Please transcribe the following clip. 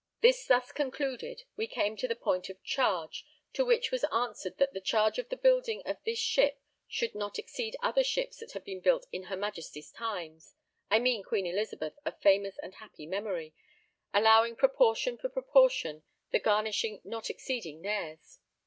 This thus concluded, we came to the point of charge; to which was answered that the charge of the building of this ship should not exceed other ships that had been built in her Majesty's times, I mean Queen Elizabeth of famous and happy memory, allowing proportion for proportion, the garnishing not exceeding theirs.